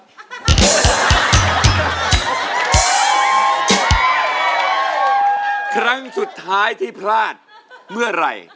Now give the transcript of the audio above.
ครั้งสุดท้ายที่พลาดเมื่อไหร่